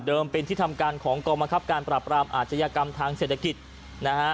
เป็นที่ทำการของกองบังคับการปราบรามอาชญากรรมทางเศรษฐกิจนะฮะ